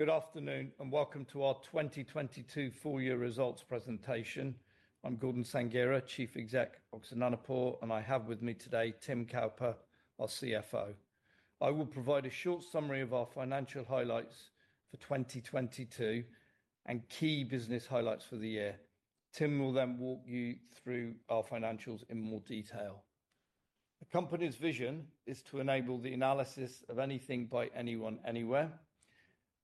Good afternoon, welcome to our 2022 full year results presentation. I'm Gordon Sanghera, Chief Exec of Oxford Nanopore, I have with me today Tim Cowper, our CFO. I will provide a short summary of our financial highlights for 2022 and key business highlights for the year. Tim will walk you through our financials in more detail. The company's vision is to enable the analysis of anything by anyone, anywhere.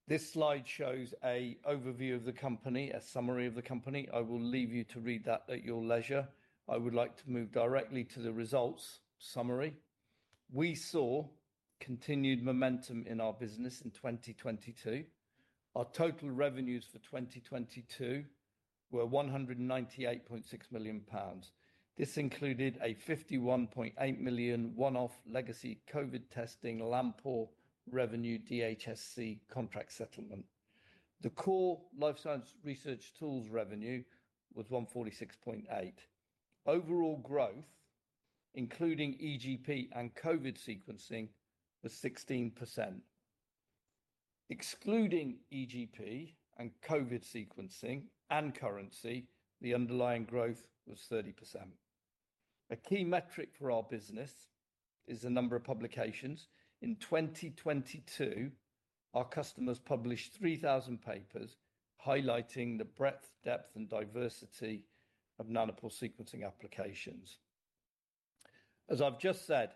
This slide shows a overview of the company, a summary of the company. I will leave you to read that at your leisure. I would like to move directly to the results summary. We saw continued momentum in our business in 2022. Our total revenues for 2022 were 198.6 million pounds. This included a 51.8 million one-off legacy COVID testing LamPORE revenue DHSC contract settlement. The core life science research tools revenue was 146.8 million. Overall growth, including EGP and COVID sequencing was 16%. Excluding EGP and COVID sequencing and currency, the underlying growth was 30%. A key metric for our business is the number of publications. In 2022, our customers published 3,000 papers highlighting the breadth, depth, and diversity of Nanopore sequencing applications. As I've just said,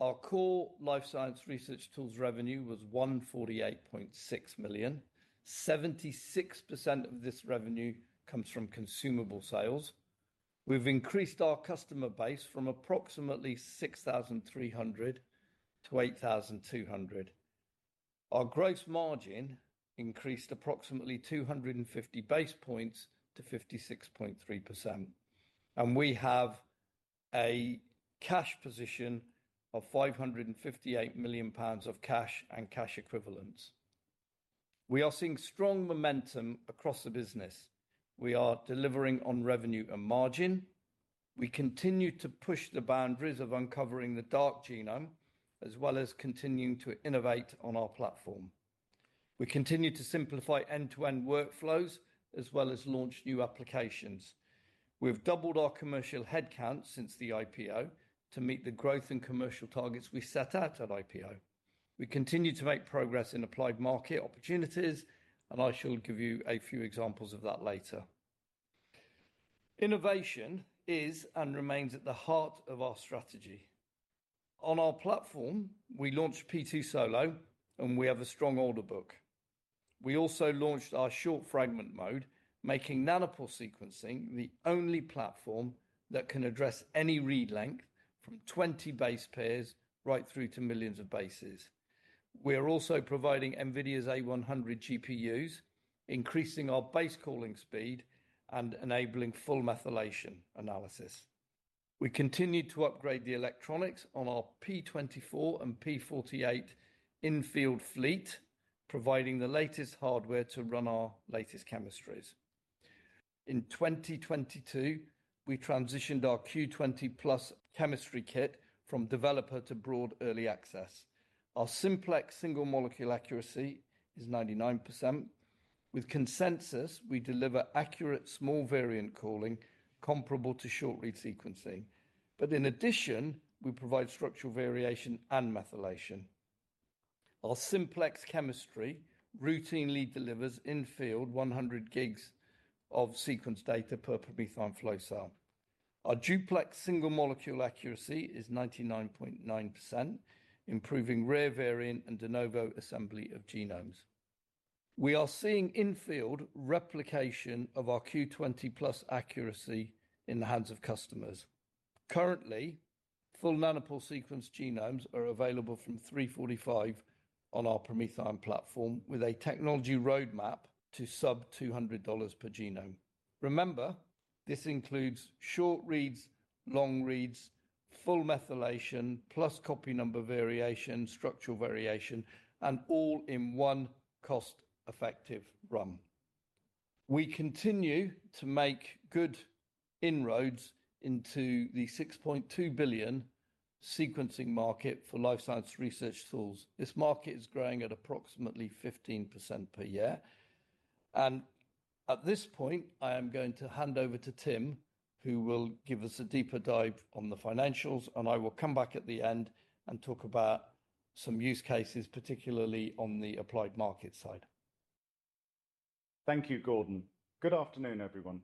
our core life science research tools revenue was 148.6 million. 76% of this revenue comes from consumable sales. We've increased our customer base from approximately 6,300 to 8,200. Our gross margin increased approximately 250 basis points to 56.3%, and we have a cash position of 558 million pounds of cash and cash equivalents. We are seeing strong momentum across the business. We are delivering on revenue and margin. We continue to push the boundaries of uncovering the dark genome, as well as continuing to innovate on our platform. We continue to simplify end-to-end workflows, as well as launch new applications. We've doubled our commercial headcount since the IPO to meet the growth and commercial targets we set out at IPO. I shall give you a few examples of that later. Innovation is and remains at the heart of our strategy. On our platform, we launched P2 Solo, and we have a strong order book. We also launched our Short Fragment Mode, making nanopore sequencing the only platform that can address any read length from 20 base pairs right through to millions of bases. We are also providing NVIDIA's A100 GPUs, increasing our basecalling speed and enabling full methylation analysis. We continued to upgrade the electronics on our P24 and P48 in-field fleet, providing the latest hardware to run our latest chemistries. In 2022, we transitioned our Q20+ chemistry kit from developer to broad early access. Our simplex single-molecule accuracy is 99%. With consensus, we deliver accurate small variant calling comparable to short-read sequencing. In addition, we provide structural variation and methylation. Our simplex chemistry routinely delivers in-field 100 GB of sequence data per PromethION flow cell. Our duplex single-molecule accuracy is 99.9%, improving rare variant and de novo assembly of genomes. We are seeing in-field replication of our Q20+ accuracy in the hands of customers. Currently, full Oxford Nanopore sequenced genomes are available from $345 on our PromethION platform, with a technology roadmap to sub $200 per genome. Remember, this includes short reads, long reads, full methylation, plus copy number variation, structural variation, and all in one cost-effective run. We continue to make good inroads into the 6.2 billion sequencing market for life science research tools. This market is growing at approximately 15% per year. At this point, I am going to hand over to Tim, who will give us a deeper dive on the financials, and I will come back at the end and talk about some use cases, particularly on the applied market side. Thank you, Gordon. Good afternoon, everyone.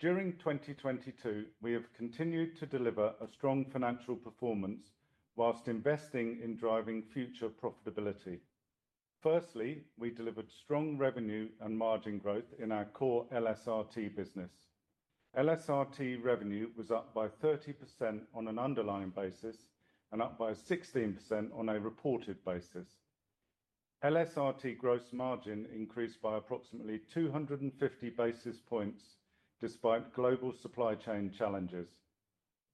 During 2022, we have continued to deliver a strong financial performance while investing in driving future profitability. Firstly, we delivered strong revenue and margin growth in our core LSRT business. LSRT revenue was up by 30% on an underlying basis and up by 16% on a reported basis. LSRT gross margin increased by approximately 250 basis points despite global supply chain challenges.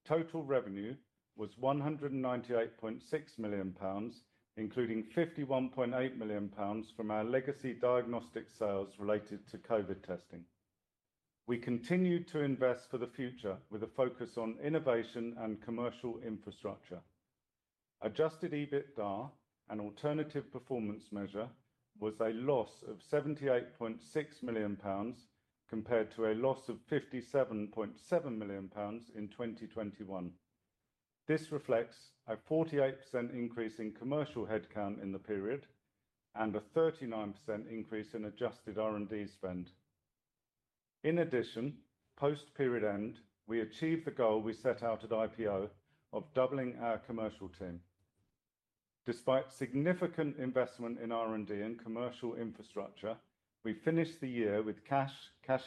Total revenue was 198.6 million pounds, including 51.8 million pounds from our legacy diagnostic sales related to COVID testing. We continued to invest for the future with a focus on innovation and commercial infrastructure. Adjusted EBITDA, an alternative performance measure, was a loss of 78.6 million pounds compared to a loss of 57.7 million pounds in 2021. This reflects a 48% increase in commercial headcount in the period and a 39% increase in adjusted R&D spend. In addition, post-period end, we achieved the goal we set out at IPO of doubling our commercial team. Despite significant investment in R&D and commercial infrastructure, we finished the year with cash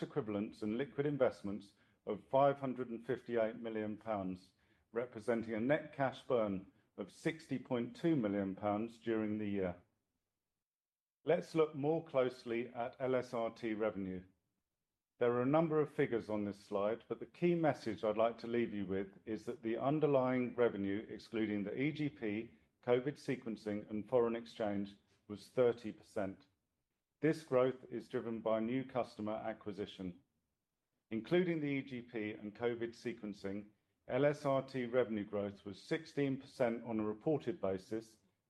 equivalents, and liquid investments of 558 million pounds, representing a net cash burn of 60.2 million pounds during the year. Let's look more closely at LSRT revenue. There are a number of figures on this slide, but the key message I'd like to leave you with is that the underlying revenue, excluding the EGP, COVID sequencing, and foreign exchange, was 30%. This growth is driven by new customer acquisition. Including the EGP and COVID sequencing, LSRT revenue growth was 16% on a reported basis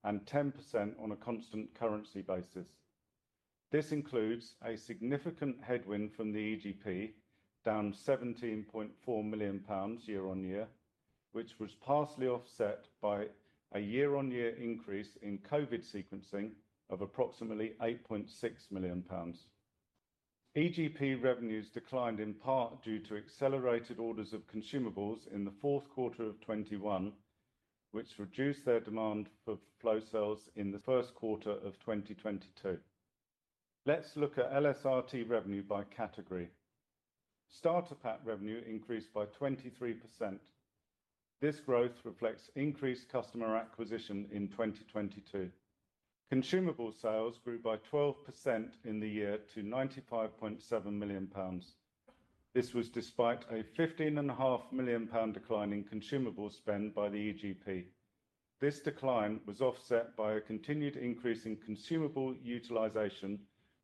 and 10% on a constant currency basis. This includes a significant headwind from the EGP, down 17.4 million pounds year-on-year, which was partially offset by a year-on-year increase in COVID sequencing of approximately 8.6 million pounds. EGP revenues declined in part due to accelerated orders of consumables in the fourth quarter of 2021, which reduced their demand for flow cells in the first quarter of 2022. Let's look at LSRT revenue by category. Starter Pack revenue increased by 23%. This growth reflects increased customer acquisition in 2022. Consumable sales grew by 12% in the year to 95.7 million pounds. This was despite a 15.5 million pound decline in consumable spend by the EGP. This decline was offset by a continued increase in consumable utilization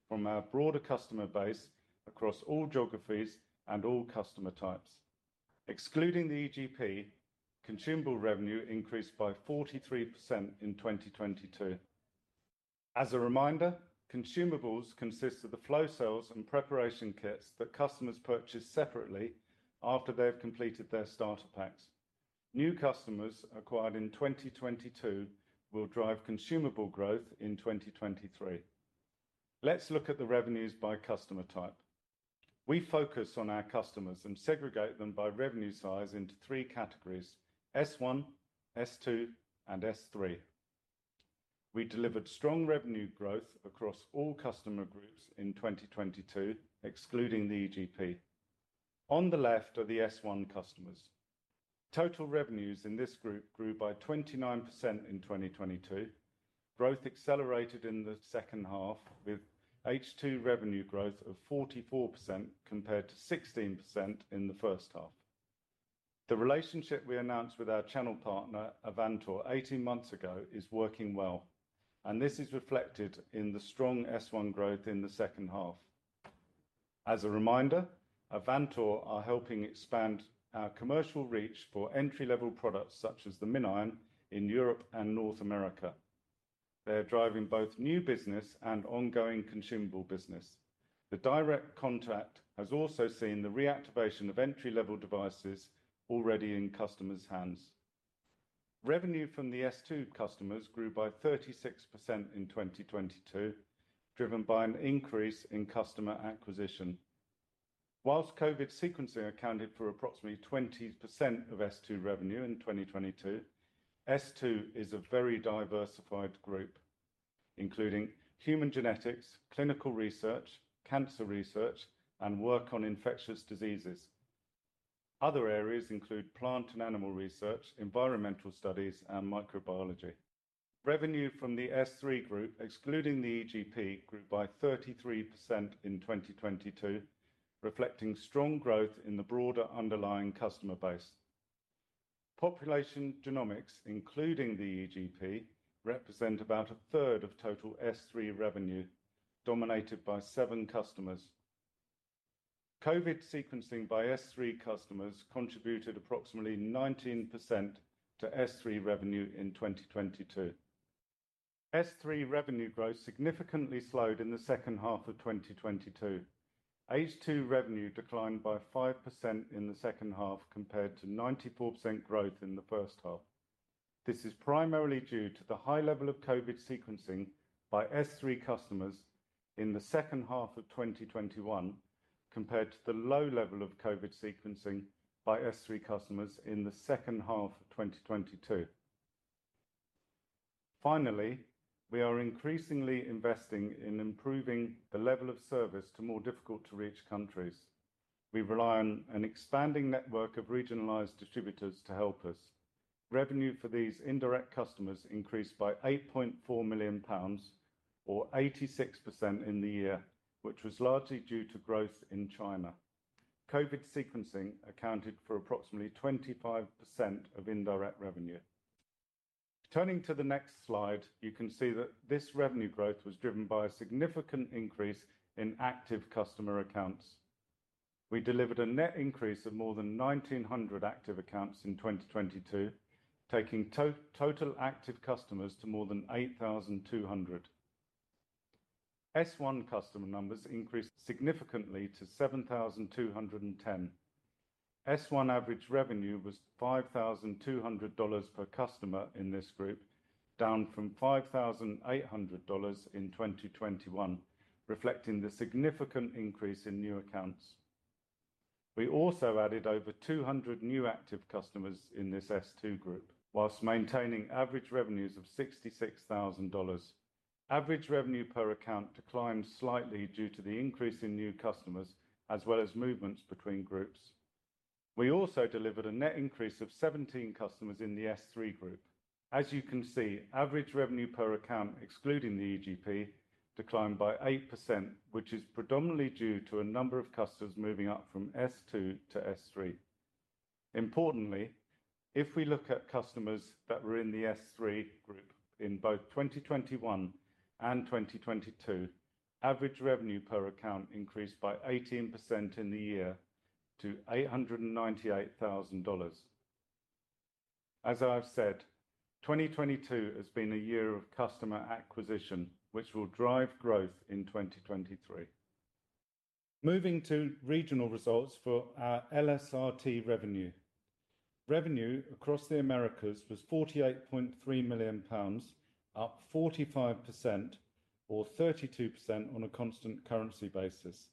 from our broader customer base across all geographies and all customer types. Excluding the EGP, consumable revenue increased by 43% in 2022. As a reminder, consumables consist of the flow cells and preparation kits that customers purchase separately after they have completed their Starter Packs. New customers acquired in 2022 will drive consumable growth in 2023. Let's look at the revenues by customer type. We focus on our customers and segregate them by revenue size into three categories: S1, S2, and S3. We delivered strong revenue growth across all customer groups in 2022, excluding the EGP. On the left are the S1 customers. Total revenues in this group grew by 29% in 2022. Growth accelerated in the second half with H2 revenue growth of 44% compared to 16% in the first half. The relationship we announced with our channel partner, Avantor, 18 months ago is working well, and this is reflected in the strong S1 growth in the second half. As a reminder, Avantor are helping expand our commercial reach for entry-level products such as the MinION in Europe and North America. They are driving both new business and ongoing consumable business. The direct contact has also seen the reactivation of entry-level devices already in customers' hands. Revenue from the S2 customers grew by 36% in 2022, driven by an increase in customer acquisition. Whilst COVID sequencing accounted for approximately 20% of S2 revenue in 2022, S2 is a very diversified group, including human genetics, clinical research, cancer research, and work on infectious diseases. Other areas include plant and animal research, environmental studies, and microbiology. Revenue from the S3 group, excluding the EGP, grew by 33% in 2022, reflecting strong growth in the broader underlying customer base. Population genomics, including the EGP, represent about a third of total S3 revenue, dominated by seven customers. COVID sequencing by S3 customers contributed approximately 19% to S3 revenue in 2022. S3 revenue growth significantly slowed in the second half of 2022. H2 revenue declined by 5% in the second half compared to 94% growth in the first half. This is primarily due to the high level of COVID sequencing by S3 customers in the second half of 2021 compared to the low level of COVID sequencing by S3 customers in the second half of 2022. Finally, we are increasingly investing in improving the level of service to more difficult to reach countries. We rely on an expanding network of regionalized distributors to help us. Revenue for these indirect customers increased by 8.4 million pounds or 86% in the year, which was largely due to growth in China. COVID sequencing accounted for approximately 25% of indirect revenue. Turning to the next slide, you can see that this revenue growth was driven by a significant increase in active customer accounts. We delivered a net increase of more than 1,900 active accounts in 2022, taking total active customers to more than 8,200. S1 customer numbers increased significantly to 7,210. S1 average revenue was $5,200 per customer in this group, down from $5,800 in 2021, reflecting the significant increase in new accounts. We also added over 200 new active customers in this S2 group, while maintaining average revenues of $66,000. Average revenue per account declined slightly due to the increase in new customers as well as movements between groups. We also delivered a net increase of 17 customers in the S3 group. You can see, average revenue per account, excluding the EGP, declined by 8%, which is predominantly due to a number of customers moving up from S2 to S3. Importantly, if we look at customers that were in the S3 group in both 2021 and 2022, average revenue per account increased by 18% in the year to $898,000. I have said, 2022 has been a year of customer acquisition, which will drive growth in 2023. Moving to regional results for our LSRT revenue. Revenue across the Americas was 48.3 million pounds, up 45% or 32% on a constant currency basis.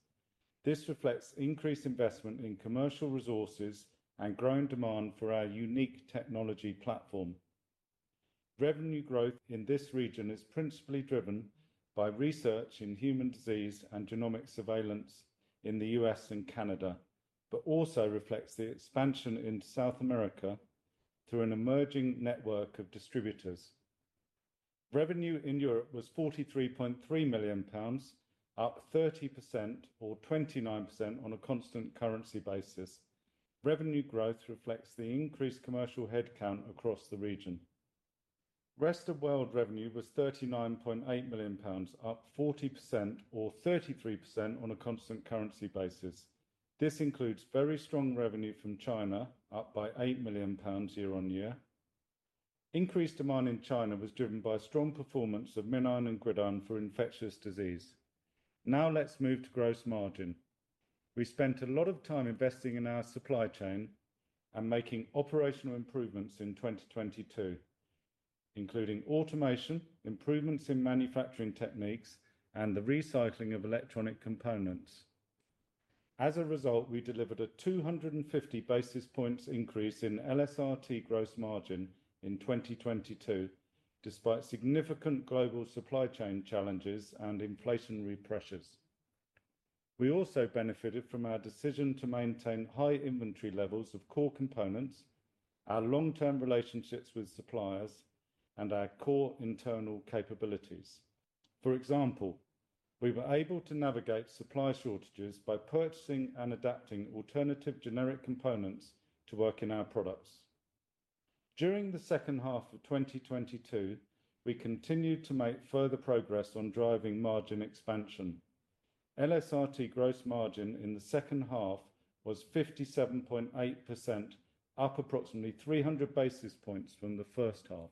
This reflects increased investment in commercial resources and growing demand for our unique technology platform. Revenue growth in this region is principally driven by research in human disease and genomic surveillance in the U.S. and Canada, but also reflects the expansion in South America through an emerging network of distributors. Revenue in Europe was 43.3 million pounds, up 30% or 29% on a constant currency basis. Revenue growth reflects the increased commercial headcount across the region. Rest of world revenue was 39.8 million pounds, up 40% or 33% on a constant currency basis. This includes very strong revenue from China, up by 8 million pounds year-on-year. Increased demand in China was driven by strong performance of MinION and GridION for infectious disease. Now let's move to gross margin. We spent a lot of time investing in our supply chain and making operational improvements in 2022, including automation, improvements in manufacturing techniques, and the recycling of electronic components. As a result, we delivered a 250 basis points increase in LSRT gross margin in 2022, despite significant global supply chain challenges and inflationary pressures. We also benefited from our decision to maintain high inventory levels of core components, our long-term relationships with suppliers, and our core internal capabilities. For example, we were able to navigate supply shortages by purchasing and adapting alternative generic components to work in our products. During the second half of 2022, we continued to make further progress on driving margin expansion. LSRT gross margin in the second half was 57.8%, up approximately 300 basis points from the first half.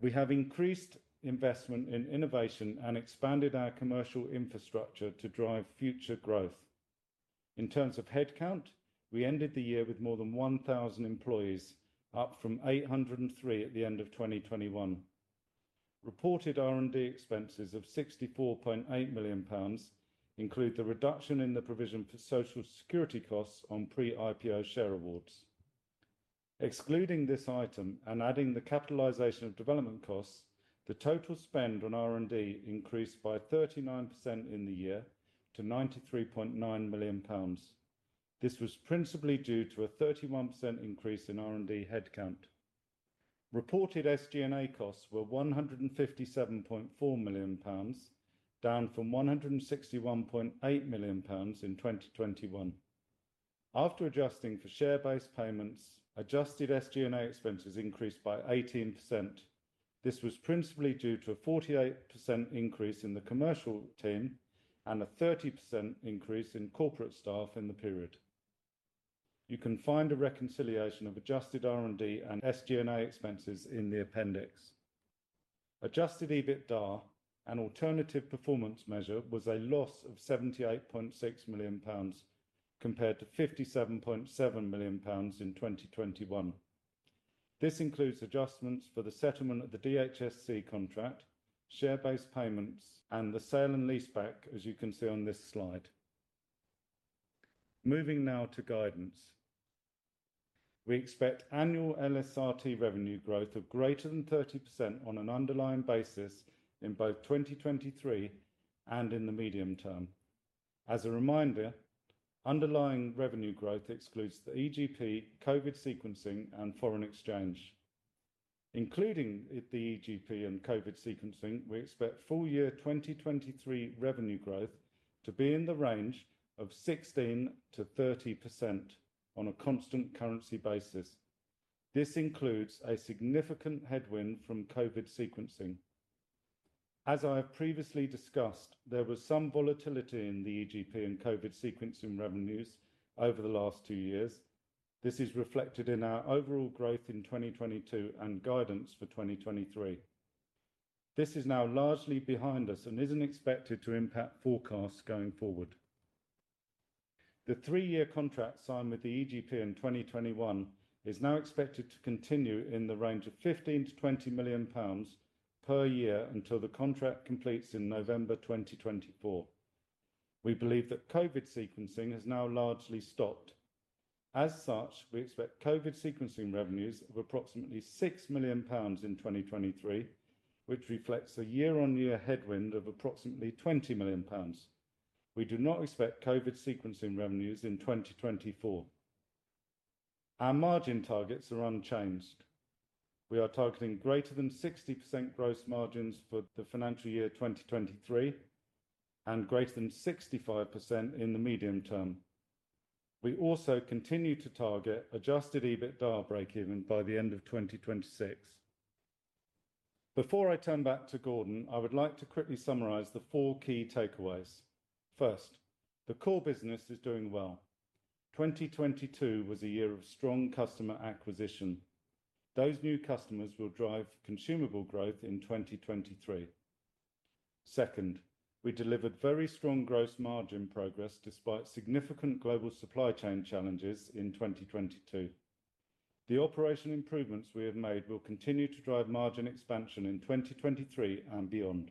We have increased investment in innovation and expanded our commercial infrastructure to drive future growth. In terms of headcount, we ended the year with more than 1,000 employees, up from 803 at the end of 2021. Reported R&D expenses of 64.8 million pounds include the reduction in the provision for social security costs on pre-IPO share awards. Excluding this item and adding the capitalization of development costs, the total spend on R&D increased by 39% in the year to 93.9 million pounds. This was principally due to a 31% increase in R&D headcount. Reported SG&A costs were 157.4 million pounds, down from 161.8 million pounds in 2021. After adjusting for share-based payments, adjusted SG&A expenses increased by 18%. This was principally due to a 48% increase in the commercial team and a 30% increase in corporate staff in the period. You can find a reconciliation of adjusted R&D and SG&A expenses in the appendix. Adjusted EBITDA, an alternative performance measure, was a loss of 78.6 million pounds compared to 57.7 million pounds in 2021. This includes adjustments for the settlement of the DHSC contract, share-based payments, and the sale and leaseback, as you can see on this slide. Moving now to guidance. We expect annual LSRT revenue growth of greater than 30% on an underlying basis in both 2023 and in the medium term. As a reminder, underlying revenue growth excludes the EGP, COVID sequencing, and foreign exchange. Including the EGP and COVID sequencing, we expect full year 2023 revenue growth to be in the range of 16%-30% on a constant currency basis. This includes a significant headwind from COVID sequencing. As I have previously discussed, there was some volatility in the EGP and COVID sequencing revenues over the last 2 years. This is reflected in our overall growth in 2022 and guidance for 2023. This is now largely behind us and isn't expected to impact forecasts going forward. The 3-year contract signed with the EGP in 2021 is now expected to continue in the range of 15 million-20 million pounds per year until the contract completes in November 2024. We believe that COVID sequencing has now largely stopped. As such, we expect COVID sequencing revenues of approximately 6 million pounds in 2023, which reflects a year-on-year headwind of approximately 20 million pounds. We do not expect COVID sequencing revenues in 2024. Our margin targets are unchanged. We are targeting greater than 60% gross margins for the financial year 2023, and greater than 65% in the medium term. We also continue to target Adjusted EBITDA break-even by the end of 2026. Before I turn back to Gordon, I would like to quickly summarize the four key takeaways. First, the core business is doing well. 2022 was a year of strong customer acquisition. Those new customers will drive consumable growth in 2023. Second, we delivered very strong gross margin progress despite significant global supply chain challenges in 2022. The operation improvements we have made will continue to drive margin expansion in 2023 and beyond.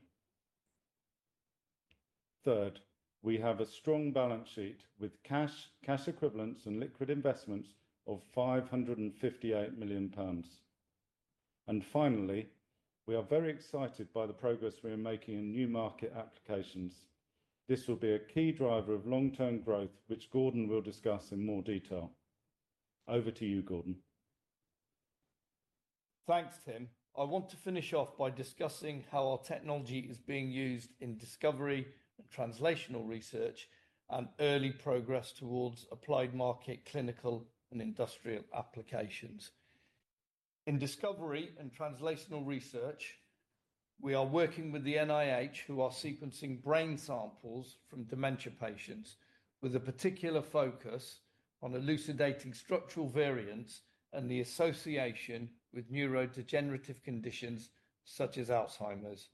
Third, we have a strong balance sheet with cash equivalents, and liquid investments of 558 million pounds. Finally, we are very excited by the progress we are making in new market applications. This will be a key driver of long-term growth, which Gordon will discuss in more detail. Over to you, Gordon. Thanks, Tim. I want to finish off by discussing how our technology is being used in discovery and translational research, and early progress towards applied market, clinical, and industrial applications. In discovery and translational research, we are working with the NIH, who are sequencing brain samples from dementia patients, with a particular focus on elucidating structural variants and the association with neurodegenerative conditions such as Alzheimer's.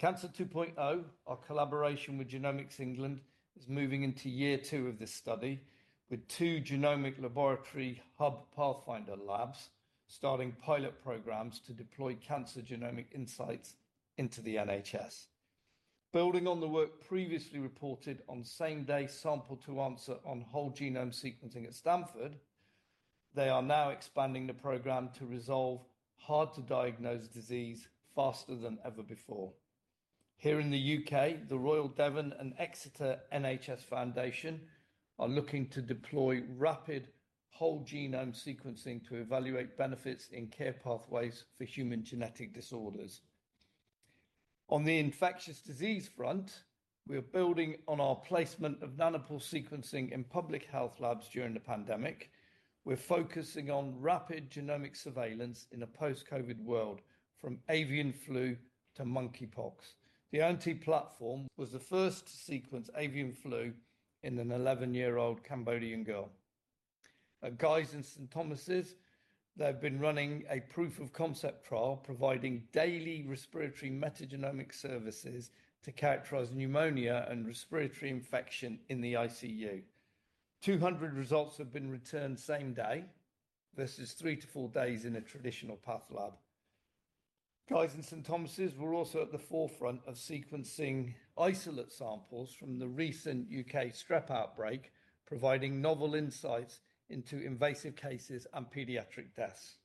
Cancer 2.0, our collaboration with Genomics England, is moving into year two of this study, with two genomic laboratory hub pathfinder labs starting pilot programs to deploy cancer genomic insights into the NHS. Building on the work previously reported on same-day sample to answer on whole genome sequencing at Stanford, they are now expanding the program to resolve hard-to-diagnose disease faster than ever before. Here in the U.K., the Royal Devon & Exeter NHS Foundation Trust are looking to deploy rapid whole genome sequencing to evaluate benefits in care pathways for human genetic disorders. On the infectious disease front, we're building on our placement of nanopore sequencing in public health labs during the pandemic. We're focusing on rapid genomic surveillance in a post-COVID world, from avian flu to monkeypox. The ONT platform was the first to sequence avian flu in an 11-year-old Cambodian girl. At Guys & St Thomas', they've been running a proof of concept trial providing daily respiratory metagenomic services to characterize pneumonia and respiratory infection in the ICU. 200 results have been returned same day versus 3 days-4 days in a traditional path lab. Guy's & St Thomas' were also at the forefront of sequencing isolate samples from the recent U.K. strep outbreak, providing novel insights into invasive cases and pediatric deaths.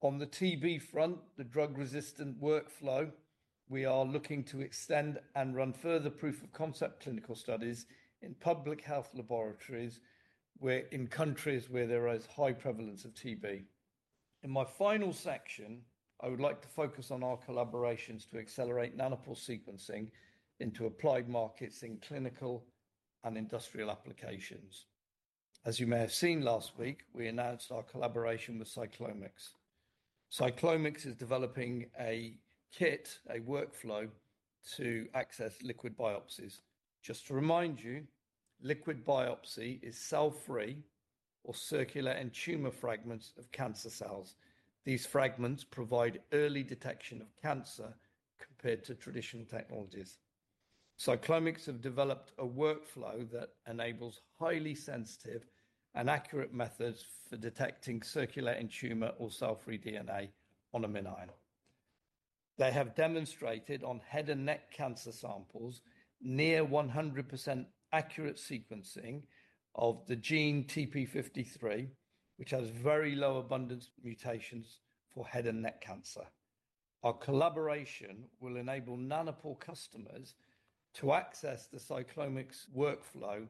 On the TB front, the drug-resistant workflow, we are looking to extend and run further proof of concept clinical studies in public health laboratories where, in countries where there is high prevalence of TB. In my final section, I would like to focus on our collaborations to accelerate Nanopore sequencing into applied markets in clinical and industrial applications. As you may have seen last week, we announced our collaboration with Cyclomics. Cyclomics is developing a kit, a workflow to access liquid biopsies. Just to remind you, liquid biopsy is cell-free or circulating tumor fragments of cancer cells. These fragments provide early detection of cancer compared to traditional technologies. Cyclomics have developed a workflow that enables highly sensitive and accurate methods for detecting circulating tumor or cell-free DNA on a MinION. They have demonstrated on head and neck cancer samples near 100% accurate sequencing of the gene TP53, which has very low abundance mutations for head and neck cancer. Our collaboration will enable Oxford Nanopore customers to access the Cyclomics workflow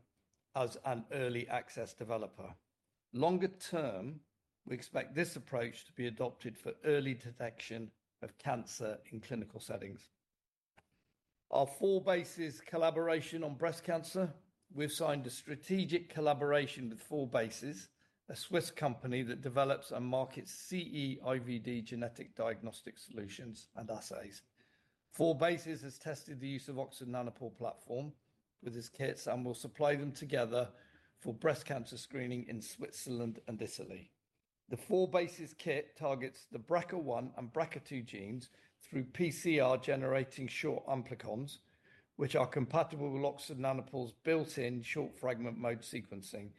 as an early access developer. Longer term, we expect this approach to be adopted for early detection of cancer in clinical settings. Our 4bases collaboration on breast cancer, we've signed a strategic collaboration with 4bases, a Swiss company that develops and markets CE IVD genetic diagnostic solutions and assays. 4bases has tested the use of Oxford Nanopore platform with its kits, will supply them together for breast cancer screening in Switzerland and Italy. The 4bases kit targets the BRCA1 and BRCA2 genes through PCR generating short amplicons, which are compatible with Oxford Nanopore's built-in Short Fragment Mode sequencing,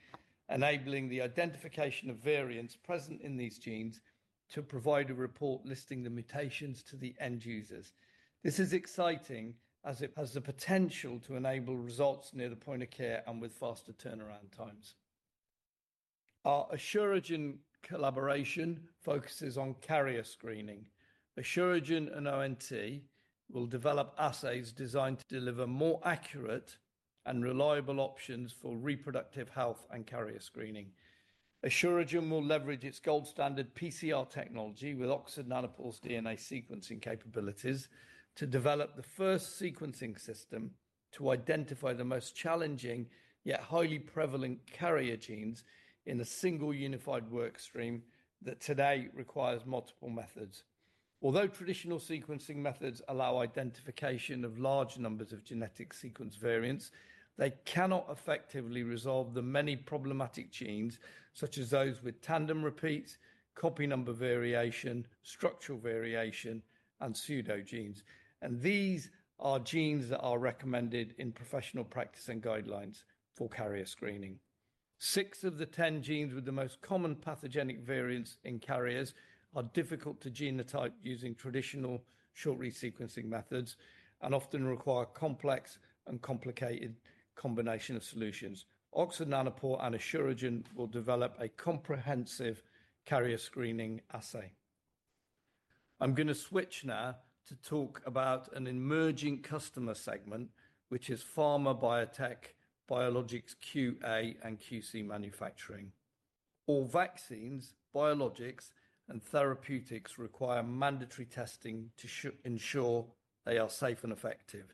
enabling the identification of variants present in these genes to provide a report listing the mutations to the end users. This is exciting as it has the potential to enable results near the point of care and with faster turnaround times. Our Asuragen collaboration focuses on carrier screening. Asuragen and ONT will develop assays designed to deliver more accurate and reliable options for reproductive health and carrier screening. Asuragen will leverage its gold standard PCR technology with Oxford Nanopore's DNA sequencing capabilities to develop the first sequencing system to identify the most challenging yet highly prevalent carrier genes in a single unified work stream that today requires multiple methods. Although traditional sequencing methods allow identification of large numbers of genetic sequence variants, they cannot effectively resolve the many problematic genes such as those with tandem repeats, copy number variation, structural variation, and pseudogenes. These are genes that are recommended in professional practice and guidelines for carrier screening. Six of the 10 genes with the most common pathogenic variants in carriers are difficult to genotype using traditional short-read sequencing methods and often require complex and complicated combination of solutions. Oxford Nanopore and Asuragen will develop a comprehensive carrier screening assay. I'm gonna switch now to talk about an emerging customer segment, which is pharma, biotech, biologics, QA, and QC manufacturing. All vaccines, biologics, and therapeutics require mandatory testing to ensure they are safe and effective.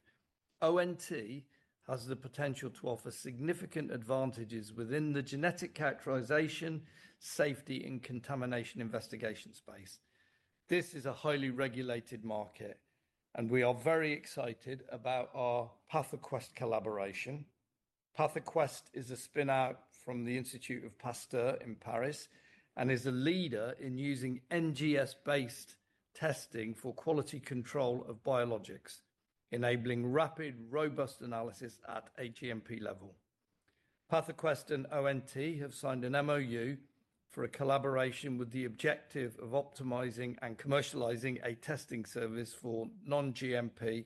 ONT has the potential to offer significant advantages within the genetic characterization, safety, and contamination investigation space. This is a highly regulated market, and we are very excited about our PathoQuest collaboration. PathoQuest is a spin-out from the Institut Pasteur in Paris and is a leader in using NGS-based testing for quality control of biologics, enabling rapid, robust analysis at a GMP level. PathoQuest and ONT have signed an MOU for a collaboration with the objective of optimizing and commercializing a testing service for non-GMP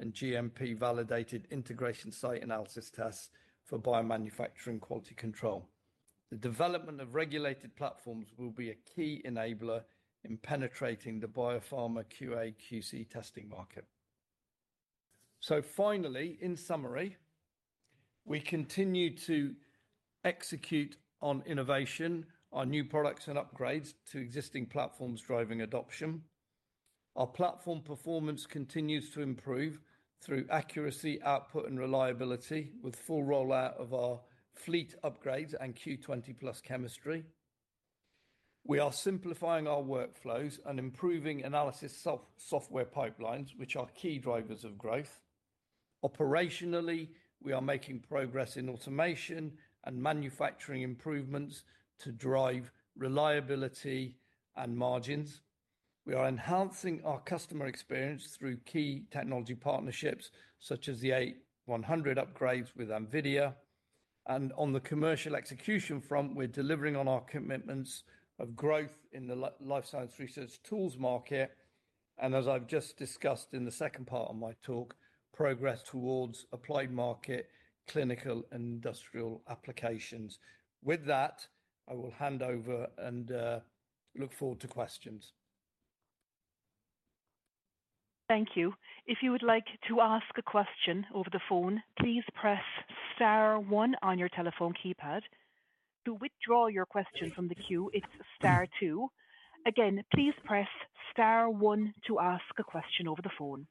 and GMP-validated Integration Site Analysis tests for biomanufacturing quality control. The development of regulated platforms will be a key enabler in penetrating the biopharma QA/QC testing market. Finally, in summary, we continue to execute on innovation, our new products and upgrades to existing platforms driving adoption. Our platform performance continues to improve through accuracy, output, and reliability with full rollout of our fleet upgrades and Q20+ chemistry. We are simplifying our workflows and improving analysis software pipelines, which are key drivers of growth. Operationally, we are making progress in automation and manufacturing improvements to drive reliability and margins. We are enhancing our customer experience through key technology partnerships such as the A100 upgrades with NVIDIA. On the commercial execution front, we're delivering on our commitments of growth in the life science research tools market, and as I've just discussed in the second part of my talk, progress towards applied market, clinical, and industrial applications. With that, I will hand over and look forward to questions. Thank you. If you would like to ask a question over the phone, please press star one on your telephone keypad. To withdraw your question from the queue, it's star two. Again, please press star one to ask a question over the phone.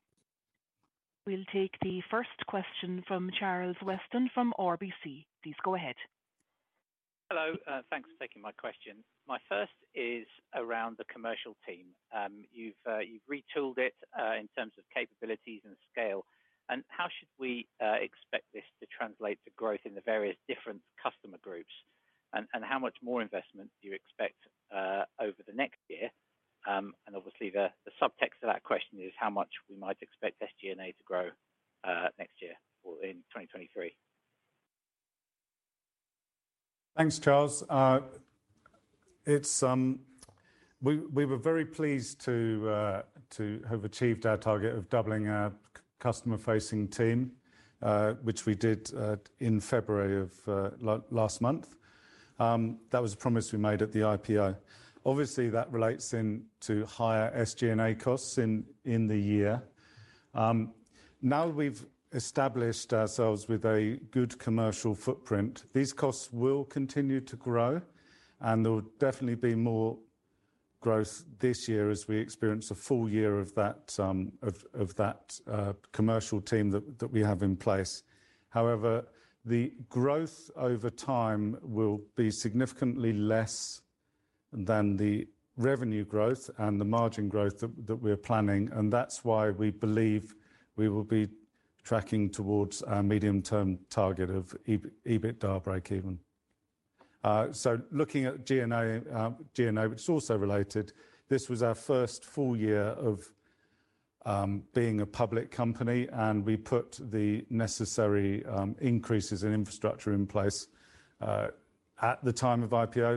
We'll take the first question from Charles Weston from RBC. Please go ahead. Hello. Thanks for taking my question. My first is around the commercial team. You've retooled it in terms of capabilities and scale. How should we expect this to translate to growth in the various different customer groups? How much more investment do you expect over the next year? Obviously the subtext to that question is how much we might expect SG&A to grow next year or in 2023. Thanks, Charles. We were very pleased to have achieved our target of doubling our customer-facing team, which we did in February of last month. That was a promise we made at the IPO. Obviously, that relates in to higher SG&A costs in the year. Now that we've established ourselves with a good commercial footprint, these costs will continue to grow, and there will definitely be more growth this year as we experience a full year of that commercial team we have in place. However, the growth over time will be significantly less than the revenue growth and the margin growth we're planning, and that's why we believe we will be tracking towards our medium-term target of EBITDA breakeven. Looking at G&A, which is also related, this was our first full year of being a public company, and we put the necessary increases in infrastructure in place at the time of IPO.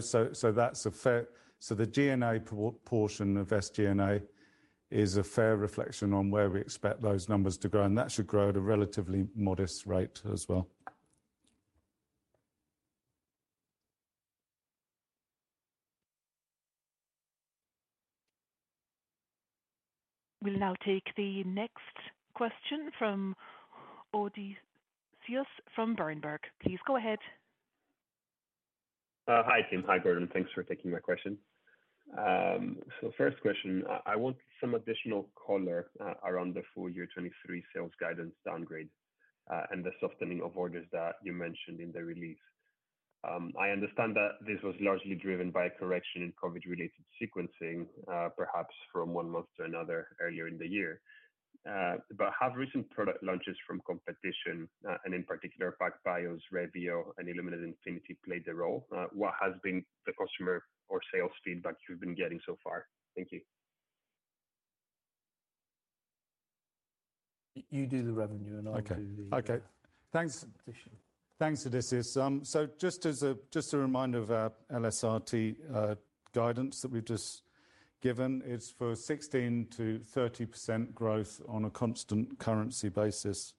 The G&A portion of SG&A is a fair reflection on where we expect those numbers to grow, and that should grow at a relatively modest rate as well. We'll now take the next question from Odysseas from Berenberg. Please go ahead. Hi, Tim. Hi, Gordon. Thanks for taking my question. First question, I want some additional color around the full year 2023 sales guidance downgrade and the softening of orders that you mentioned in the release. I understand that this was largely driven by a correction in COVID-related sequencing, perhaps from one month to another earlier in the year. Have recent product launches from competition, and in particular PacBio's Revio and Illumina Infinity played a role? What has been the customer or sales feedback you've been getting so far? Thank you. You do the revenue and I'll do... Okay. Okay. Thanks. Competition. Thanks Odysseas, just as a reminder of our LSRT guidance that we've just given, it's for 16%-30% growth on a constant currency basis.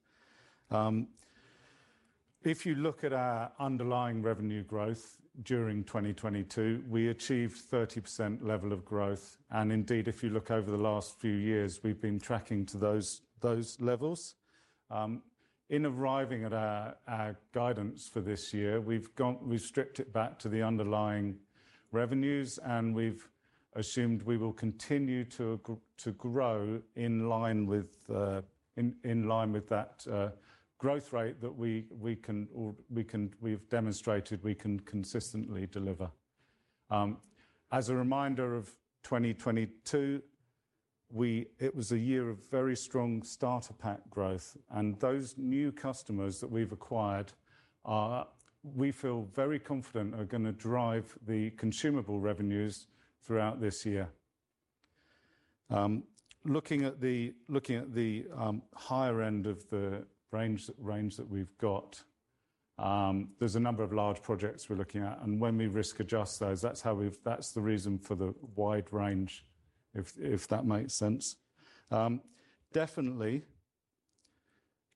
If you look at our underlying revenue growth during 2022, we achieved 30% level of growth. Indeed, if you look over the last few years, we've been tracking to those levels. In arriving at our guidance for this year, we've stripped it back to the underlying revenues, and we've assumed we will continue to grow in line with that growth rate that we've demonstrated we can consistently deliver. As a reminder of 2022, it was a year of very strong Starter Pack growth. Those new customers that we've acquired are, we feel very confident are gonna drive the consumable revenues throughout this year. Looking at the higher end of the range that we've got, there's a number of large projects we're looking at. When we risk adjust those, that's how we've that's the reason for the wide range if that makes sense. Definitely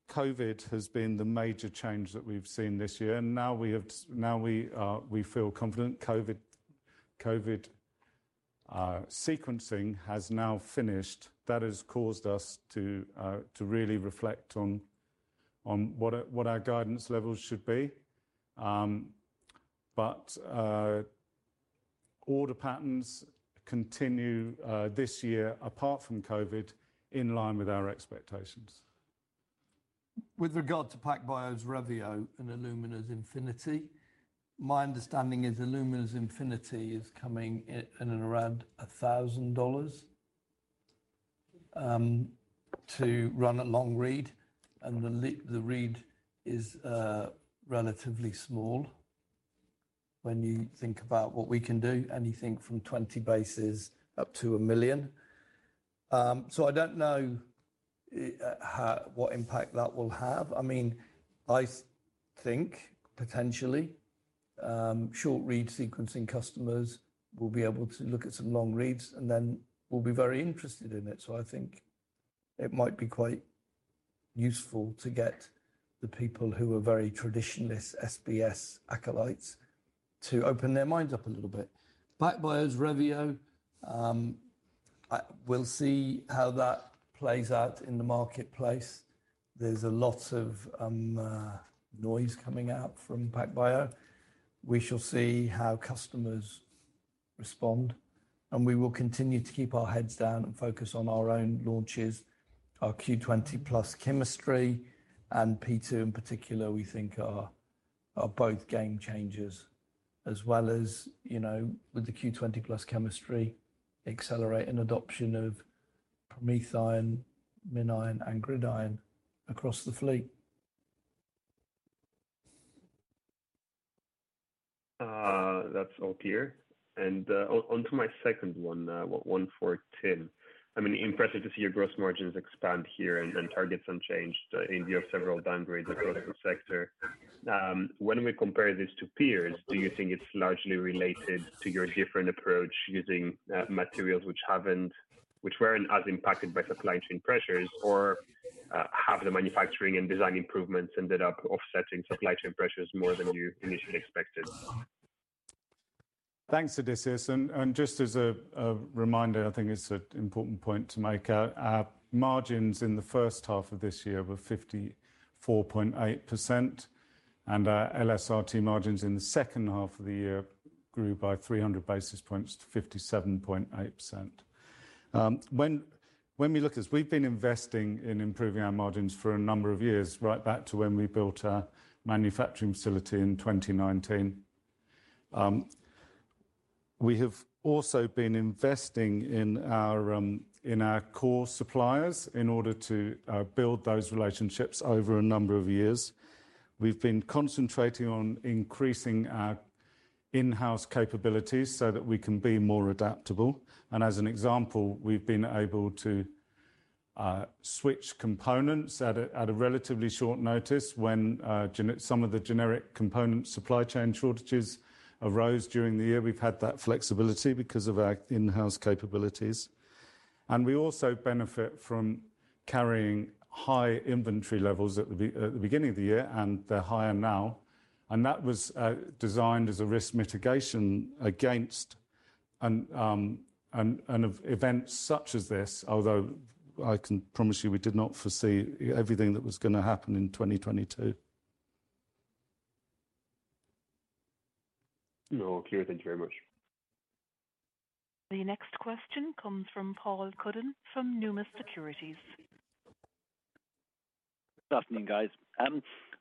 COVID has been the major change that we've seen this year. Now we feel confident. COVID sequencing has now finished. That has caused us to really reflect on what our guidance levels should be. Order patterns continue this year, apart from COVID, in line with our expectations. With regard to PacBio's Revio and Illumina's Infinity, my understanding is Illumina's Infinity is coming in around $1,000 to run a long read, and the read is relatively small when you think about what we can do, anything from 20 bases up to 1 million bases. I don't know what impact that will have. I mean, I think potentially, short-read sequencing customers will be able to look at some long reads and then will be very interested in it. I think it might be quite useful to get the people who are very traditionalist SBS acolytes to open their minds up a little bit. PacBio's Revio, we'll see how that plays out in the marketplace. There's a lot of noise coming out from PacBio. We shall see how customers respond. We will continue to keep our heads down and focus on our own launches. Our Q20+ chemistry and P2 in particular, we think are both game changers. As well as, you know, with the Q20+ chemistry, accelerating adoption of PromethION, MinION, and GridION across the fleet. That's all clear. On to my second one for Tim. I mean, impressive to see your gross margins expand here and targets unchanged in view of several downgrades across the sector. When we compare this to peers, do you think it's largely related to your different approach using materials which weren't as impacted by supply chain pressures, or have the manufacturing and design improvements ended up offsetting supply chain pressures more than you initially expected? Thanks, Odysseas. Just as a reminder, I think it's an important point to make. Our margins in the first half of this year were 54.8%, our LSRT margins in the second half of the year grew by 300 basis points to 57.8%. When we look as we've been investing in improving our margins for a number of years right back to when we built our manufacturing facility in 2019. We have also been investing in our core suppliers in order to build those relationships over a number of years. We've been concentrating on increasing our in-house capabilities so that we can be more adaptable. As an example, we've been able to switch components at a relatively short notice when some of the generic component supply chain shortages arose during the year. We've had that flexibility because of our in-house capabilities. We also benefit from carrying high inventory levels at the beginning of the year, and they're higher now. That was designed as a risk mitigation against an event such as this. I can promise you, we did not foresee everything that was gonna happen in 2022. No. Clear. Thank you very much. The next question comes from Paul Cuddon from Numis Securities. Good afternoon, guys. I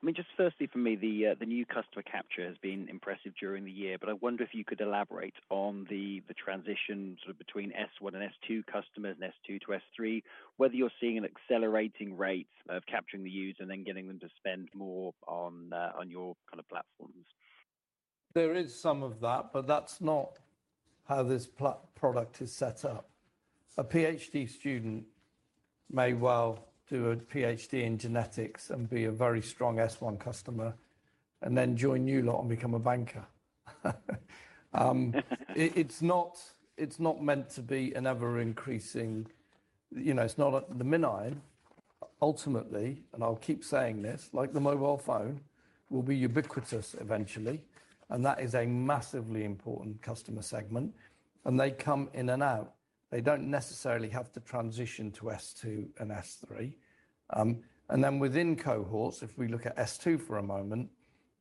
mean, just firstly for me, the new customer capture has been impressive during the year. I wonder if you could elaborate on the transition sort of between S1 and S2 customers and S2 to S3. Whether you're seeing an accelerating rate of capturing the user and then getting them to spend more on your kind of platforms. There is some of that's not how this product is set up. A Ph.D. student may well do a Ph.D. in genetics and be a very strong S1 customer and then join you lot and become a banker. It's not, it's not meant to be an ever-increasing, you know, it's not like the MinION ultimately, and I'll keep saying this, like the mobile phone, will be ubiquitous eventually, and that is a massively important customer segment, and they come in and out. They don't necessarily have to transition to S2 and S3. Within cohorts, if we look at S2 for a moment,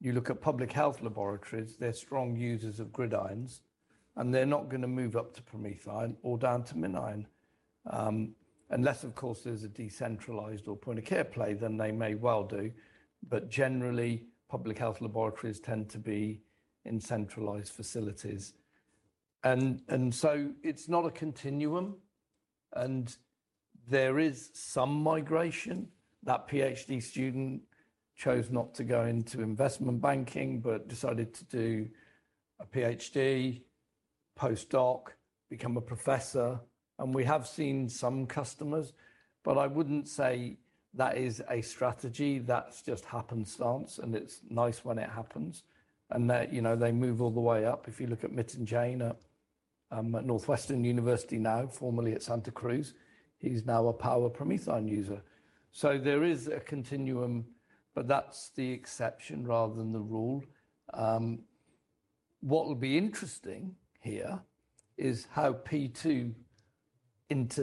you look at public health laboratories, they're strong users of GridIONs, and they're not gonna move up to PromethION or down to MinION. Unless of course there's a decentralized or point-of-care play, then they may well do. Generally, public health laboratories tend to be in centralized facilities. So it's not a continuum, and there is some migration. That PhD student chose not to go into investment banking, but decided to do a PhD, postdoc, become a professor. We have seen some customers, but I wouldn't say that is a strategy. That's just happenstance, and it's nice when it happens. They're, you know, they move all the way up. If you look at Miten Jain at Northeastern University now, formerly at Santa Cruz, he's now a power PromethION user. There is a continuum, but that's the exception rather than the rule. What will be interesting here is how P2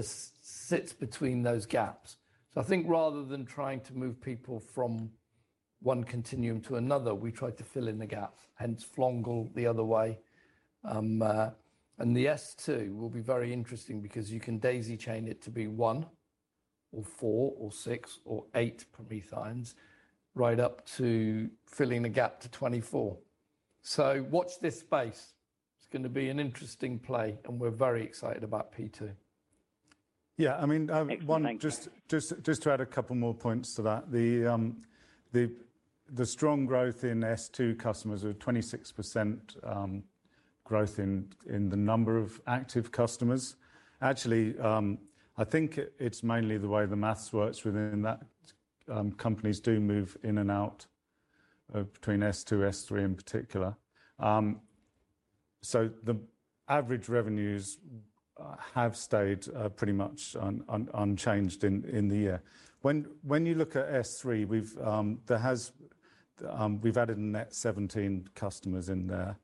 sits between those gaps. I think rather than trying to move people from one continuum to another, we try to fill in the gap, hence Flongle the other way. The S2 will be very interesting because you can daisy chain it to be one or four or six or eight PromethIONs right up to filling the gap to 24. Watch this space. It's gonna be an interesting play, and we're very excited about P2. Yeah. I mean, Thanks, guys. Just to add a couple more points to that. The strong growth in S2 customers of 26% growth in the number of active customers. Actually, I think it's mainly the way the math works within that. Companies do move in and out between S2, S3 in particular. The average revenues have stayed pretty much unchanged in the year. When you look at S3, we've, there has, we've added a net 17 customers in there.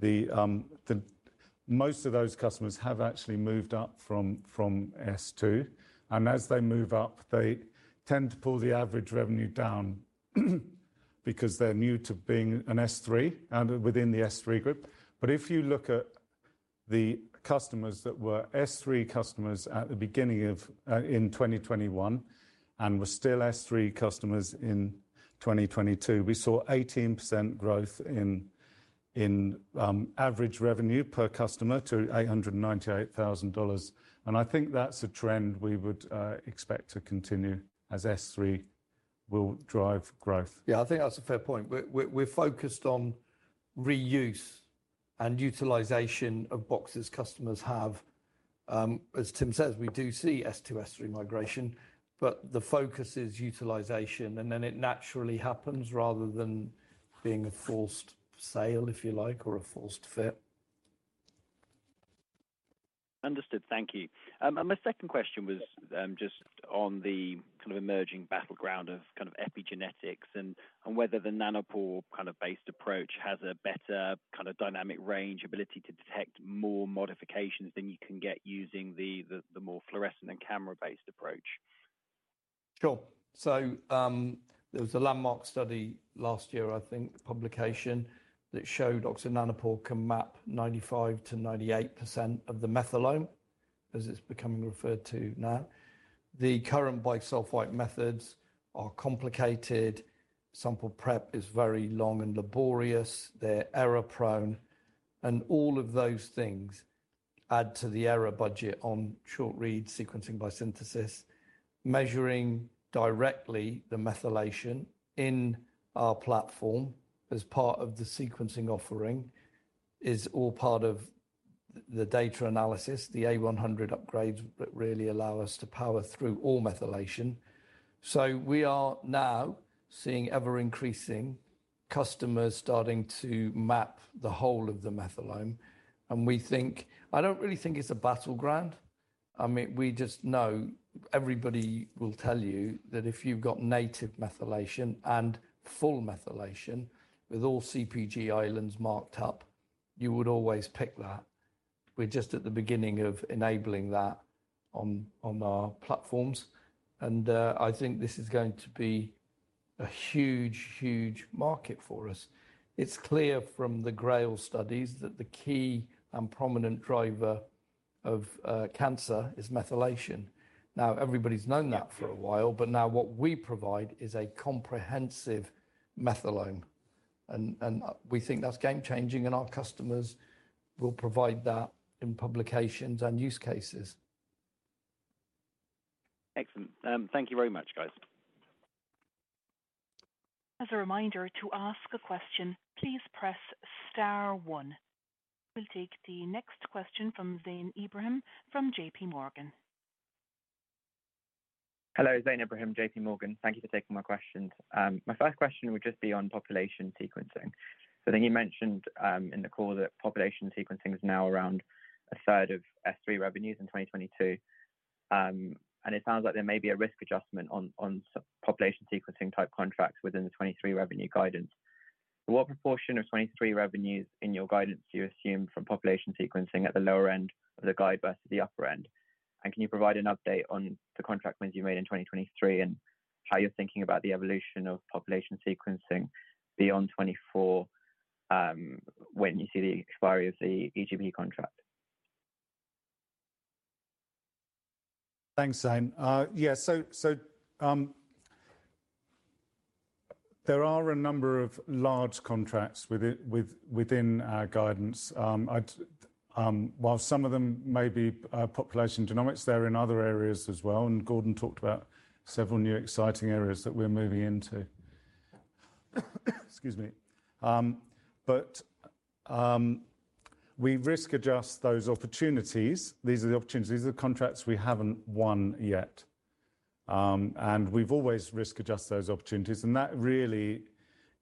The most of those customers have actually moved up from S2, and as they move up, they tend to pull the average revenue down because they're new to being an S3 and within the S3 group. If you look at the customers that were S3 customers at the beginning of in 2021 and were still S3 customers in 2022, we saw 18% growth in average revenue per customer to $898,000. I think that's a trend we would expect to continue as S3 will drive growth. Yeah. I think that's a fair point. We're focused on reuse and utilization of boxes customers have. As Tim says, we do see S2, S3 migration, but the focus is utilization, and then it naturally happens rather than being a forced sale, if you like, or a forced fit. Understood. Thank you. My second question was just on the kind of emerging battleground of kind of epigenetics and whether the nanopore kind of based approach has a better kind of dynamic range ability to detect more modifications than you can get using the, the more fluorescent and camera-based approach. Sure. There was a landmark study last year, I think, publication that showed Oxford Nanopore can map 95%-98% of the methylome, as it's becoming referred to now. The current bisulfite methods are complicated. Sample prep is very long and laborious. They're error-prone, and all of those things add to the error budget on short-read sequencing by synthesis. Measuring directly the methylation in our platform as part of the sequencing offering is all part of the data analysis, the A100 upgrades that really allow us to power through all methylation. We are now seeing ever-increasing customers starting to map the whole of the methylome, and we think... I don't really think it's a battleground. I mean, we just know everybody will tell you that if you've got native methylation and full methylation with all CpG islands marked up, you would always pick that. We're just at the beginning of enabling that on our platforms. I think this is going to be a huge market for us. It's clear from the GRAIL studies that the key and prominent driver of cancer is methylation. Everybody's known that for a while. What we provide is a comprehensive methylome, and we think that's game-changing. Our customers will provide that in publications and use cases. Excellent. Thank you very much, guys. As a reminder, to ask a question, please press star one. We'll take the next question from Zain Ebrahim from JP Morgan. Hello, Zain Ebrahim, J.P. Morgan. Thank you for taking my questions. My first question would just be on population sequencing. You mentioned in the call that population sequencing is now around a third of S3 revenues in 2022. And it sounds like there may be a risk adjustment on population sequencing type contracts within the 2023 revenue guidance. What proportion of 2023 revenues in your guidance do you assume from population sequencing at the lower end of the guide versus the upper end? Can you provide an update on the contract wins you made in 2023 and how you're thinking about the evolution of population sequencing beyond 2024, when you see the expiry of the EGP contract? Thanks, Zain. Yeah, there are a number of large contracts within our guidance. I'd, while some of them may be population genomics, they're in other areas as well, and Gordon talked about several new exciting areas that we're moving into. Excuse me. We risk adjust those opportunities. These are the opportunities. These are contracts we haven't won yet. We've always risk adjust those opportunities, and that really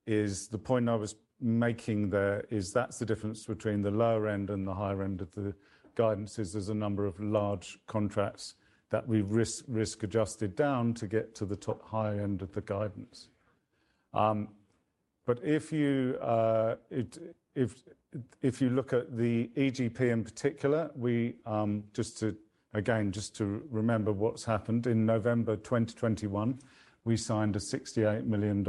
is the point I was making there is that's the difference between the lower end and the higher end of the guidance. Is there's a number of large contracts that we've risk adjusted down to get to the top high end of the guidance. If you look at the EGP in particular, we just to remember what's happened. In November 2021, we signed a $68 million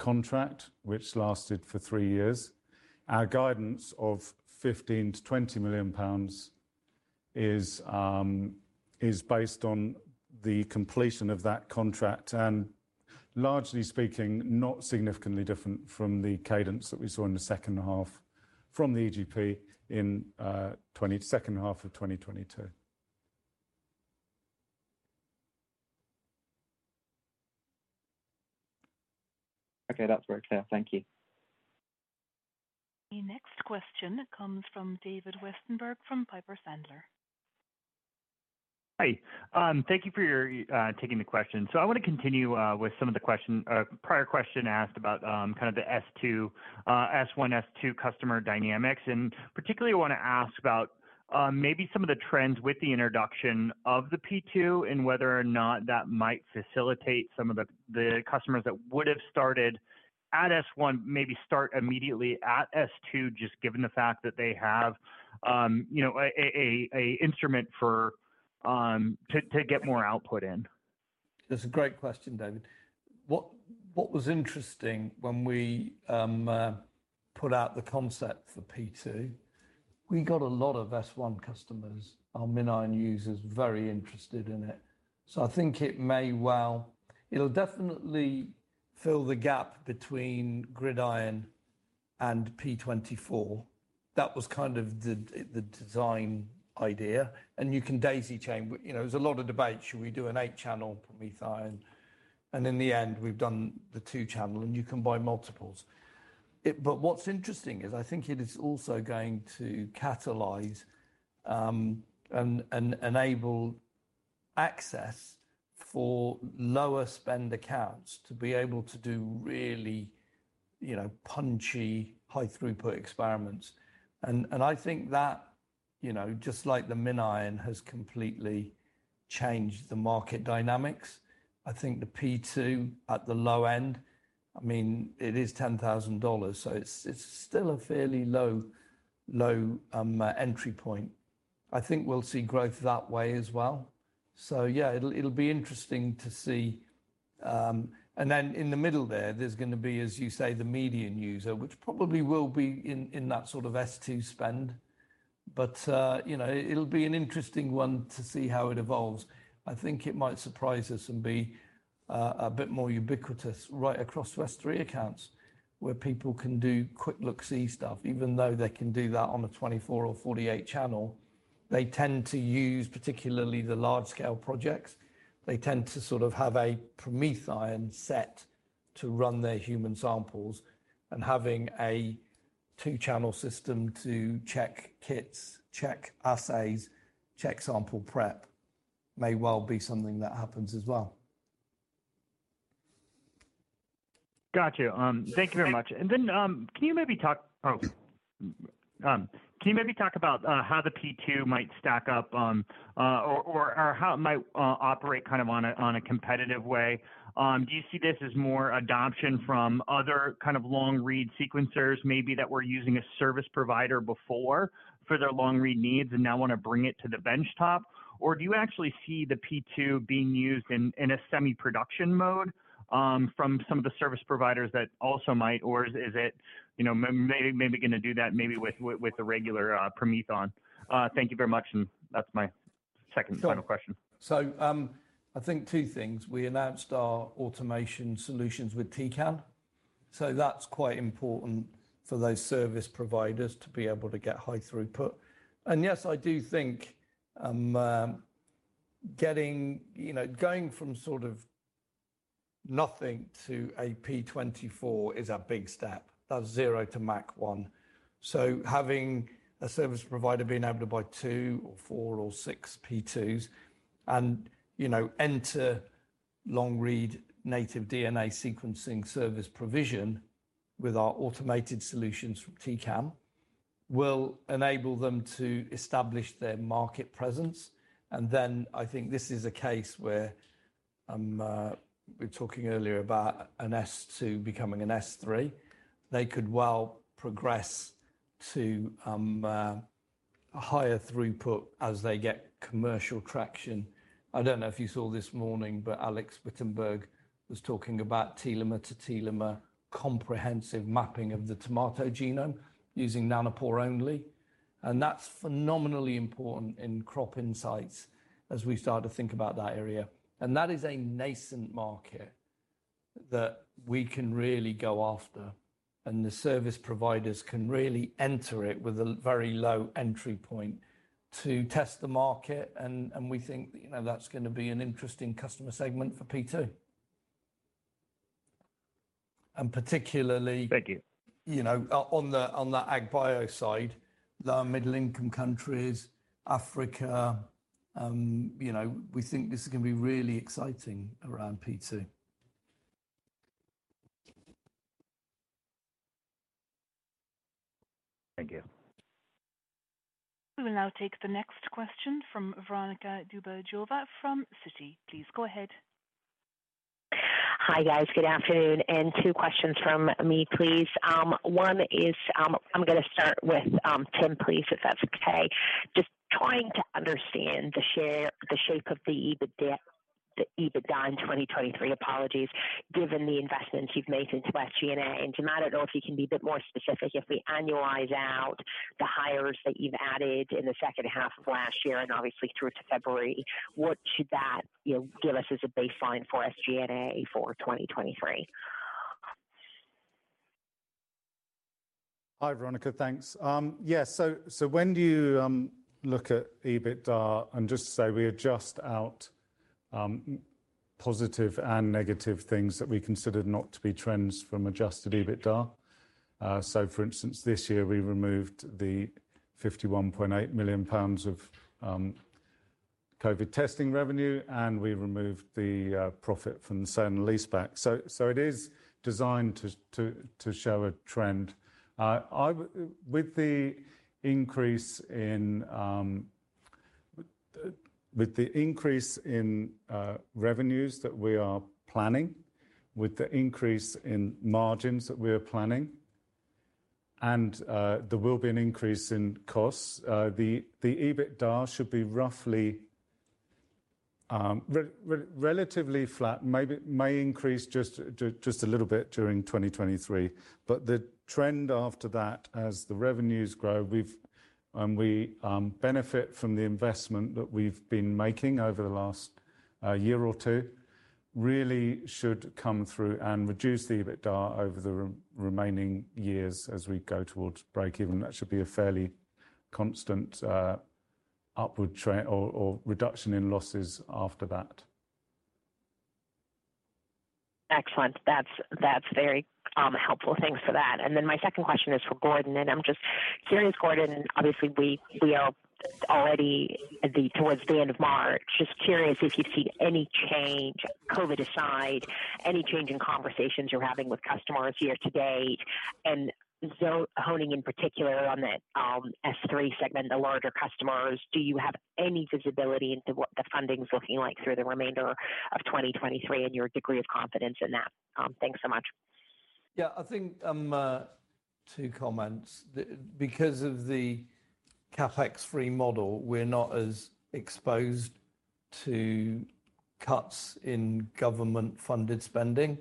contract, which lasted for three years. Our guidance of 15 million-20 million pounds is based on the completion of that contract. Largely speaking, not significantly different from the cadence that we saw in the second half from the EGP in second half of 2022. Okay. That's very clear. Thank you. The next question comes from David Westenberg from Piper Sandler. Hi. Thank you for your taking the question. I wanna continue with some of the question, prior question asked about kind of the S2, S1, S2 customer dynamics. Particularly wanna ask about maybe some of the trends with the introduction of the P2 and whether or not that might facilitate some of the customers that would have started at S1, maybe start immediately at S2, just given the fact that they have, you know, a instrument for to get more output in. That's a great question, David. What was interesting when we put out the concept for P2, we got a lot of S1 customers, our MinION users, very interested in it. I think it may well. It'll definitely fill the gap between GridION and P24. That was kind of the design idea. You can daisy chain. You know, there was a lot of debate. Should we do an eight-channel PromethION? In the end, we've done the two-channel, and you can buy multiples. What's interesting is I think it is also going to catalyze, enable access for lower spend accounts to be able to do really, you know, punchy high throughput experiments. I think that, you know, just like the MinION has completely changed the market dynamics. I think the P2 at the low end, I mean, it is $10,000, so it's still a fairly low entry point. I think we'll see growth that way as well. Yeah, it'll be interesting to see. Then in the middle there's gonna be, as you say, the median user, which probably will be in that sort of S2 spend. You know, it'll be an interesting one to see how it evolves. I think it might surprise us and be a bit more ubiquitous right across S3 accounts where people can do quick look C stuff, even though they can do that on a 24 or 48 channel. They tend to use particularly the large-scale projects. They tend to sort of have a PromethION set to run their human samples, and having a two-channel system to check kits, check assays, check sample prep may well be something that happens as well. Got you. Thank you very much. Can you maybe talk about how the P2 might stack up, or how it might operate kind of on a competitive way? Do you see this as more adoption from other kind of long-read sequencers maybe that were using a service provider before for their long-read needs and now wanna bring it to the bench top? Or do you actually see the P2 being used in a semi-production mode from some of the service providers that also might, or is it, you know, maybe gonna do that maybe with the regular PromethION? Thank you very much, that's my second final question. I think two things. We announced our automation solutions with Tecan, so that's quite important for those service providers to be able to get high throughput. Yes, I do think, you know, going from sort of nothing to a P24 is a big step. That's zero to Mach one. Having a service provider being able to buy two or four or six P2s and, you know, enter long read native DNA sequencing service provision with our automated solutions from Tecan will enable them to establish their market presence. I think this is a case where we were talking earlier about an S2 becoming an S3. They could well progress to a higher throughput as they get commercial traction. I don't know if you saw this morning, Alexandre Wittenberg was talking about telomere-to-telomere comprehensive mapping of the tomato genome using nanopore only, and that's phenomenally important in crop insights as we start to think about that area. That is a nascent market that we can really go after, and the service providers can really enter it with a very low entry point to test the market, and we think, you know, that's gonna be an interesting customer segment for P2. Thank you. You know, on the ag bio side, the middle income countries, Africa, you know, we think this is gonna be really exciting around P2. Thank you. We will now take the next question from Veronika Dubajova from Citi. Please go ahead. Hi, guys. Good afternoon. Two questions from me, please. One is, I'm gonna start with Tim, please, if that's okay. Just trying to understand the shape of the EBITDA in 2023, apologies, given the investments you've made into SG&A. Tim, I don't know if you can be a bit more specific. If we annualize out the hires that you've added in the second half of last year and obviously through to February, what should that, you know, give us as a baseline for SG&A for 2023? Hi, Veronika. Thanks. Yeah. When you look at EBITDA, and just to say we adjust out positive and negative things that we considered not to be trends from adjusted EBITDA. For instance, this year we removed the 51.8 million pounds of COVID testing revenue, and we removed the profit from the sale and leaseback. It is designed to show a trend. With the increase in revenues that we are planning, with the increase in margins that we are planning, there will be an increase in costs, the EBITDA should be roughly relatively flat. Maybe it may increase just a little bit during 2023. The trend after that, as the revenues grow, we benefit from the investment that we've been making over the last year or two, really should come through and reduce the EBITDA over the remaining years as we go towards breakeven. That should be a fairly constant upward trend or reduction in losses after that. Excellent. That's very helpful. Thanks for that. My second question is for Gordon, and I'm just curious, Gordon, obviously we are already at the towards the end of March. Just curious if you've seen any change, COVID aside, any change in conversations you're having with customers year-to-date. Honing in particular on the S3 segment, the larger customers, do you have any visibility into what the funding's looking like through the remainder of 2023 and your degree of confidence in that? Thanks so much. Yeah. I think two comments. Because of the CapEx-free model, we're not as exposed to cuts in government-funded spending.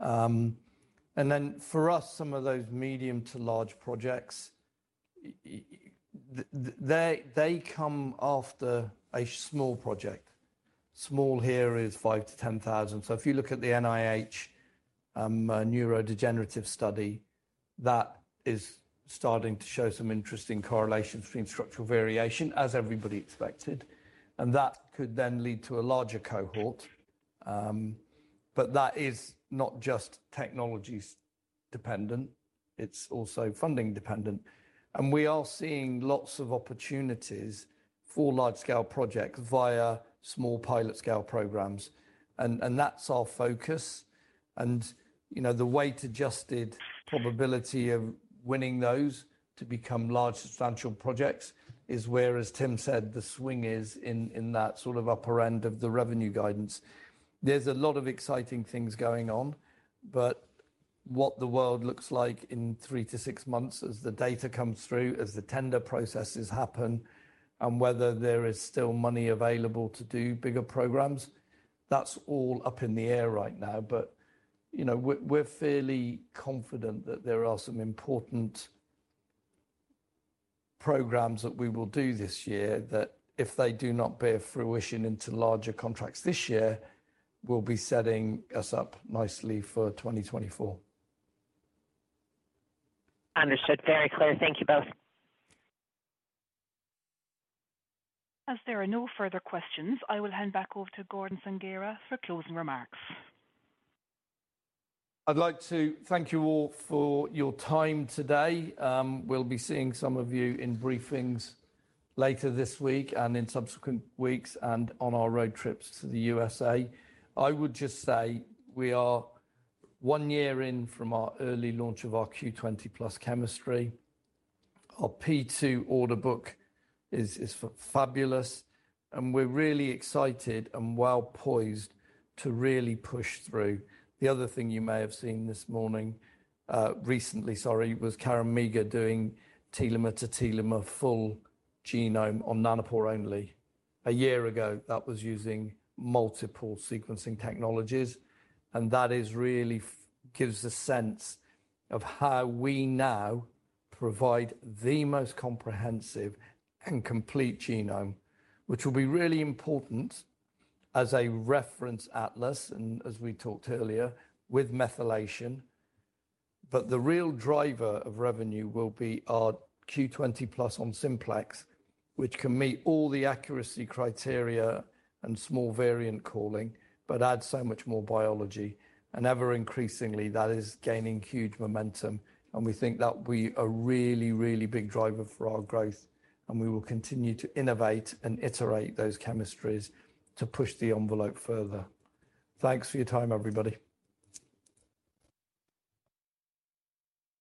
For us, some of those medium to large projects, they come after a small project. Small here is 5,000-10,000. If you look at the NIH neurodegenerative study, that is starting to show some interesting correlations between structural variation as everybody expected, and that could then lead to a larger cohort. That is not just technology-dependent, it's also funding-dependent. We are seeing lots of opportunities for large-scale projects via small pilot-scale programs. That's our focus. You know, the weight-adjusted probability of winning those to become large substantial projects is where, as Tim said, the swing is in that sort of upper end of the revenue guidance. There's a lot of exciting things going on, what the world looks like in 3 to 6 months as the data comes through, as the tender processes happen, and whether there is still money available to do bigger programs, that's all up in the air right now. You know, we're fairly confident that there are some important programs that we will do this year that if they do not bear fruition into larger contracts this year, will be setting us up nicely for 2024. Understood. Very clear. Thank you both. As there are no further questions, I will hand back over to Gordon Sanghera for closing remarks. I'd like to thank you all for your time today. We'll be seeing some of you in briefings later this week and in subsequent weeks and on our road trips to the USA. I would just say we are one year in from our early launch of our Q20+ chemistry. Our P2 order book is fabulous, and we're really excited and well-poised to really push through. The other thing you may have seen this morning, recently, sorry, was Karen Miga doing telomere-to-telomere full genome on Nanopore only. A year ago, that was using multiple sequencing technologies, and that is really gives a sense of how we now provide the most comprehensive and complete genome, which will be really important as a reference atlas and as we talked earlier with methylation. The real driver of revenue will be our Q20+ on simplex, which can meet all the accuracy criteria and small variant calling, but adds so much more biology. Ever increasingly, that is gaining huge momentum, and we think that will be a really, really big driver for our growth, and we will continue to innovate and iterate those chemistries to push the envelope further. Thanks for your time, everybody.